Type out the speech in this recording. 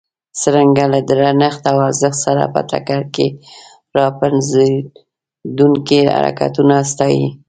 څرنګه له درنښت او ارزښت سره په ټکر کې را پنځېدونکي حرکتونه ستایي.